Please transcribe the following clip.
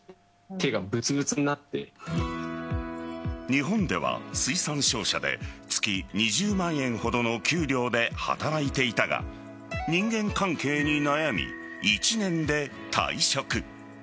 日本では水産商社で月２０万円ほどの給料で働いていたが人間関係に悩み、１年で退職。